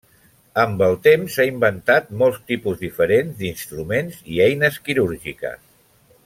Amb el temps, s'han inventat molts tipus diferents d'instruments i eines quirúrgiques.